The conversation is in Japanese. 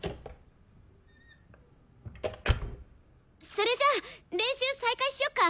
それじゃあ練習再開しよっか！